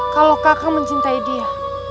kalau kakak mencintai dia